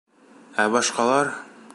Ә башҡалар!..